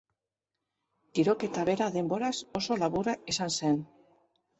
Tiroketa bera denboraz oso laburra izan zen.